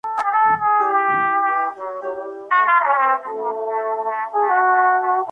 Normalmente en verano se seca.